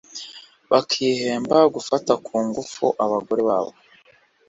bakihemba gufata ku ngufu abagore babo